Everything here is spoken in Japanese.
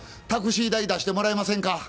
タクシー代出してもらえませんか？